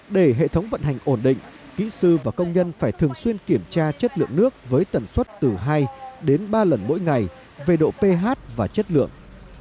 để hệ thống vận hành ổn định kỹ sư và công nhân phải thường xuyên kiểm tra chất lượng nước với tần suất từ hai đến ba lần mỗi ngày về độ ph và chất lượng